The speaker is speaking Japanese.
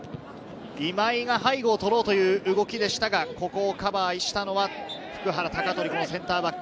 今井が背後を取ろうという動きでしたが、ここをカバーしたのは普久原、鷹取、センターバック。